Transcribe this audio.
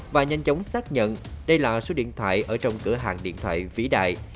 và nhanh chóng xác nhận đây là số điện thoại ở trong cửa hàng điện thoại vĩ đại